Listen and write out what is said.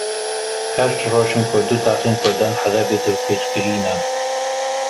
Heşt roj in du taxên kurdan li Helebê dorpêçkirî ne.